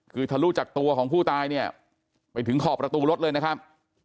คือทะลุจากตัวของผู้ตายเนี่ยไปถึงขอบประตูรถเลยนะครับ